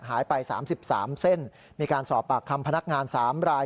หายไปสามสิบสามเส้นมีการสอบปากคำพนักงานสามราย